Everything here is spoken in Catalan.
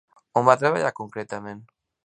On va treballar concretament?